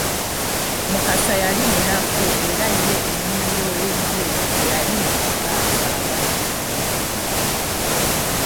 Mukasa yali munafu era ye ennimiro eyiye teyali nga eza banne.